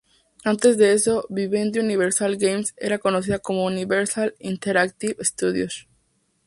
Antes de eso, Vivendi Universal Games era conocida como Universal Interactive Studios.